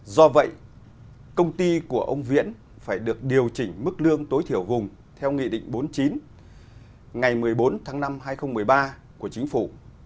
do vậy công ty của ông viễn phải được điều chỉnh mức lương tối thiểu vùng theo nghị định bốn mươi chín ngày một mươi bốn tháng năm hai nghìn một mươi ba của chính phủ